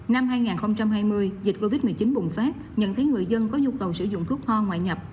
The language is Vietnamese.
năm hai nghìn hai mươi dịch covid một mươi chín bùng phát nhận thấy người dân có nhu cầu sử dụng thuốc hoa ngoại nhập